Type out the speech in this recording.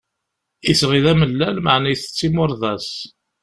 Isɣi d amellal, meεna itett imurḍas.